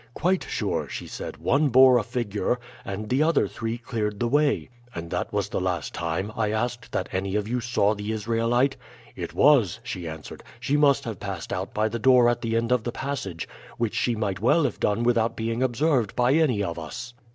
"'Quite sure,' she said. 'One bore a figure and the other three cleared the way.'" "'And that was the last time,' I asked, 'that any of you saw the Israelite?' "'It was,' she answered. 'She must have passed out by the door at the end of the passage, which she might well have done without being observed by any of us.'